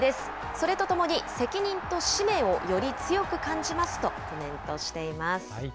それとともに責任と使命をより強く感じますとコメントしています。